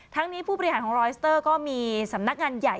ทั้งนี้ผู้บริหารของรอยสเตอร์ก็มีสำนักงานใหญ่